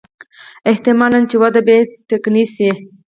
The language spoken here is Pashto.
احتمالاً چې وده به یې ټکنۍ شي.